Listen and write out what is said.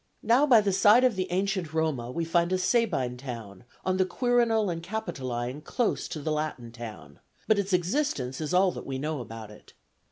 Now by the side of the ancient Roma we find a Sabine town on the Quirinal and Capitoline close to the Latin town; but its existence is all that we know about it.